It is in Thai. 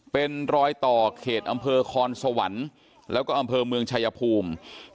เป็นรอยต่อเขตอำเภอคอนสวรรค์แล้วก็อำเภอเมืองชายภูมิ